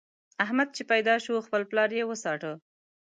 احمد چې پيدا شو؛ خپل پلار يې وڅاټه.